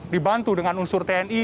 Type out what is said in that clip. dibantu dengan unsur tni